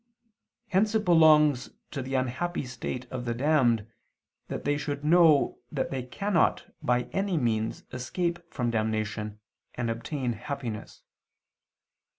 Hence it belongs to the unhappy state of the damned, that they should know that they cannot by any means escape from damnation and obtain happiness.